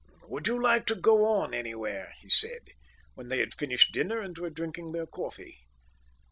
"Would you like to go on anywhere?" he said, when they had finished dinner and were drinking their coffee.